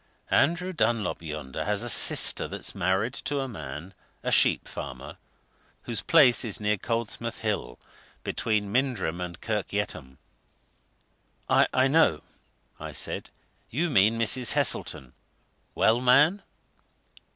Andrew Dunlop yonder has a sister that's married to a man, a sheep farmer, whose place is near Coldsmouth Hill, between Mindrum and Kirk Yetholm " "I know!" I said. "You mean Mrs. Heselton. Well, man?"